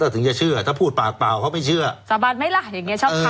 ถึงจะเชื่อถ้าพูดปากเปล่าเขาไม่เชื่อสาบานไหมล่ะอย่างเงี้ชอบทำ